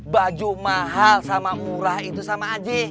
baju mahal sama murah itu sama aja